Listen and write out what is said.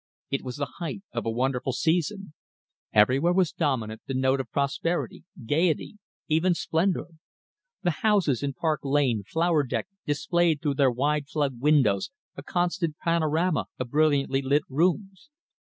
It was the height of a wonderful season. Everywhere was dominant the note of prosperity, gaiety, even splendour. The houses in Park Lane, flower decked, displayed through their wide flung windows a constant panorama of brilliantly lit rooms.